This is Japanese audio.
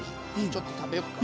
ちょっと食べよっか。